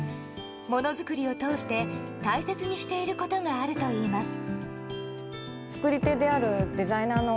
物作りを通して大切にしていることがあるといいます。